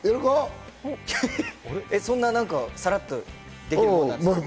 そんなにサラッとできるもんなんですか？